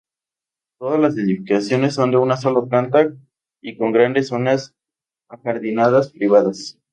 Todas las edificaciones son de una sola planta y con grandes zonas ajardinadas privadas.